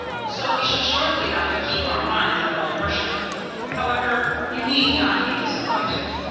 So we shall shortly have to keep our minds on old Mercia. However, you need not be disappointed.